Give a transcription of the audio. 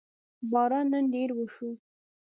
باران نن ډېر وشو